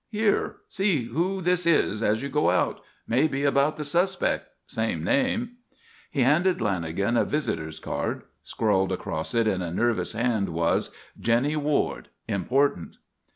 Here, see who this is as you go out. May be about the suspect. Same name." He handed Lanagan a visitor's card. Scrawled across it in a nervous hand was: "Jennie Ward. Important."